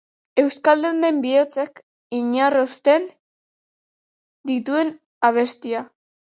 Euskaldunen bihotzak inarrosten dituen abestia.